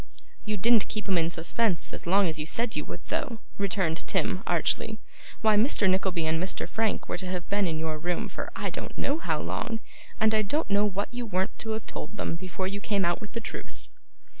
'You didn't keep 'em in suspense as long as you said you would, though,' returned Tim, archly. 'Why, Mr. Nickleby and Mr. Frank were to have been in your room for I don't know how long; and I don't know what you weren't to have told them before you came out with the truth.